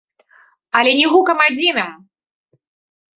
Але не гукам адзіным!